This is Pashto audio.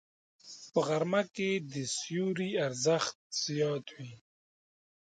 په غرمه کې د سیوري ارزښت زیات وي